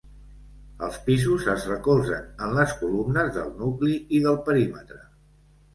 Els pisos es recolzen en les columnes del nucli i del perímetre.